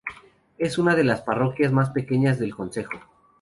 Es una de las parroquias más pequeñas del concejo.